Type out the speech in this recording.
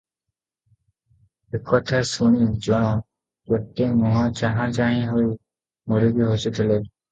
ଏକଥା ଶୁଣି ଜଣ କେତେ ମୁହଁ ଚାହାଁ ଚାହିଁ ହୋଇ ମୁରୁକି ହସୁଥିଲେ ।